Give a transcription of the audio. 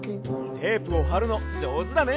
テープをはるのじょうずだね！